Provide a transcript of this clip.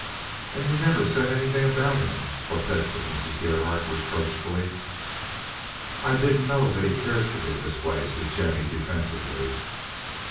"And you never said anything about him," protested Mrs. Gerhardt reproachfully. "I didn't know that he cared for me this way," said Jennie defensively.